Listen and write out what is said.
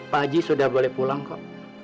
pak haji sudah boleh pulang kok